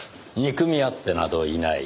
憎み合ってなどいない。